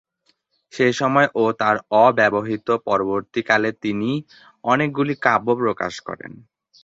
সেসময় ও তার অব্যবহিত পরবর্তী কালে তিনি অনেকগুলি কাব্য প্রকাশ করেন।